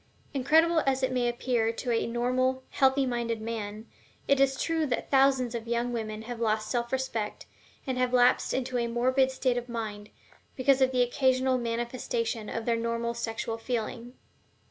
Incredible as it may appear to a normal, healthy minded man, it is true that thousands of young women have lost self respect, and have lapsed into a morbid state of mind, because of the occasional manifestation of their normal sexual feeling.